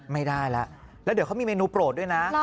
ไม่ได้แล้วแล้วเดี๋ยวเขามีเมนูโปรดด้วยนะ